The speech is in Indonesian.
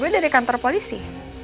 gue dari kantor polisi